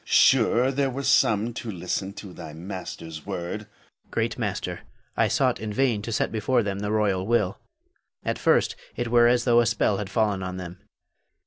Sure, there were some to listen to thy master's word. Hafiz. Great master, I sought in vain to set before them the royal will. At first it were as though a spell had fallen on them.